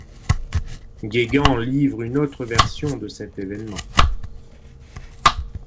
Guégan livre une autre version de cet événement.